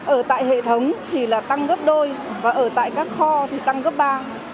ở tại hệ thống thì là tăng gấp đôi và ở tại các kho thì tăng gấp ba